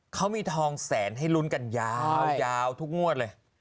เขามีทองแสนให้ลุ้นกันยาวทุกงวดเลย